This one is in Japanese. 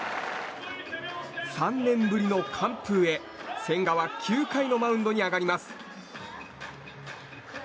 ３年ぶりの完封へ、千賀は９回のマウンドに上がります。